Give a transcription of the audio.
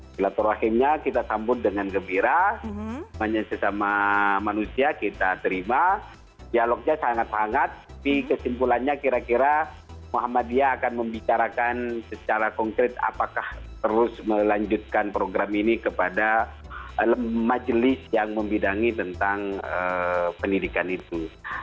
jelatur rahimnya kita sambut dengan gembira semuanya sesama manusia kita terima dialognya sangat sangat di kesimpulannya kira kira muhammadiyah akan membicarakan secara konkret apakah terus melanjutkan program ini kepada majelis yang membidangi tentang pendidikan itu